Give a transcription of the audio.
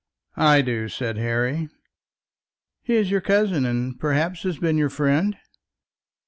"I do," said Harry. "He is your cousin, and perhaps has been your friend?"